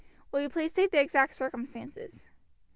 "Will you please state the exact circumstances."